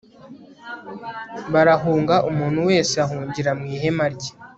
barahunga umuntu wese ahungira mu ihema rye